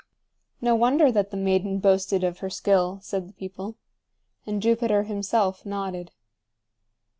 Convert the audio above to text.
"No wonder that the maiden boasted of her skill," said the people. And Jupiter himself nodded.